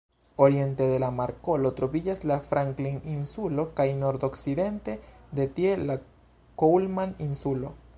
Oriente de la markolo troviĝas la Franklin-Insulo kaj nordokcidente de tie la Coulman-Insulo.